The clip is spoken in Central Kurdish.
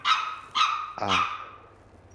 ئا.